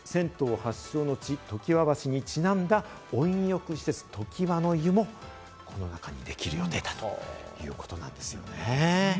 で、この銭湯発祥の地、常盤橋にちなんだ、温浴施設・常盤湯も、この中にできる予定だということなんです。